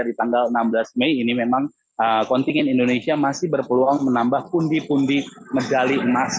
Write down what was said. di tanggal enam belas mei ini memang kontingen indonesia masih berpeluang menambah pundi pundi medali emas